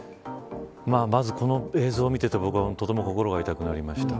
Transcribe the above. まず、この映像を見ていてとても心が痛くなりました。